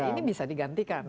ini bisa digantikan kan